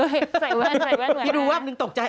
ใส่แว่นเหมือนอะไรนะพี่ดูว่าพี่หนึ่งตกใจ